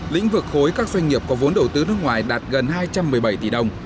lĩnh vực khối các doanh nghiệp có vốn đầu tư nước ngoài đạt gần hai trăm một mươi bảy tỷ đồng